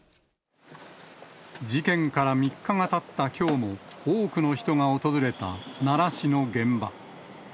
事件から３日がたったきょうも、多くの人が訪れた奈良市の現場。